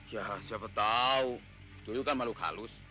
ya siapa tau tuyul kan malu kalus